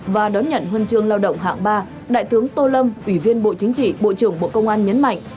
và đón nhận huần trường lao động hạng ba đại thướng tô lâm ủy viên bộ chính trị bộ trưởng bộ công an nhấn mạnh